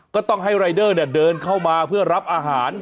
ก็ต้องให้รายเดอร์เดินเข้ามาเพื่อรับอาหาร